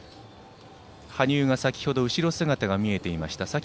羽生が先ほどは後ろ姿が見えていました。